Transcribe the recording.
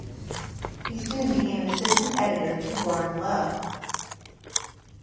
He soon became an assistant editor to Warren Low.